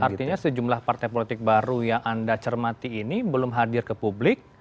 artinya sejumlah partai politik baru yang anda cermati ini belum hadir ke publik